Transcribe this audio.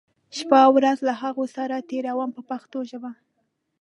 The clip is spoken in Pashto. شپه او ورځ له هغو سره تېروم په پښتو ژبه.